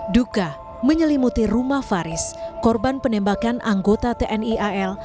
duka menyelimuti rumah faris korban penembakan anggota tni al